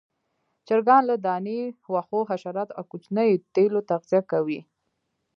چرګان له دانې، واښو، حشراتو او کوچنيو تیلو تغذیه کوي.